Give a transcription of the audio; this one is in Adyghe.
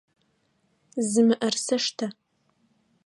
Зы мыӏэрысэ штэ!